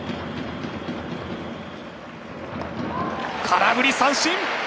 空振り三振！